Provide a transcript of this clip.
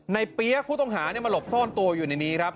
เปี๊ยกผู้ต้องหามาหลบซ่อนตัวอยู่ในนี้ครับ